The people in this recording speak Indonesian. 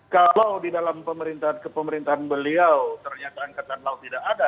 kalau di dalam pemerintahan kepemerintahan beliau ternyata angkatan laut tidak ada